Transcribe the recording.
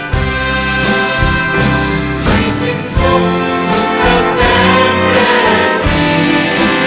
ให้สิ่งคุกสุขและเส้นแรกดี